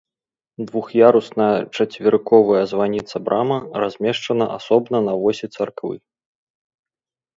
Двух'ярусная чацверыковая званіца-брама размешчана асобна на восі царквы.